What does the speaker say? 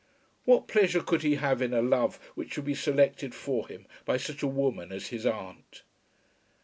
What pleasure could he have in a love which should be selected for him by such a woman as his aunt?